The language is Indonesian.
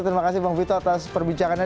terima kasih bang vito atas perbincangannya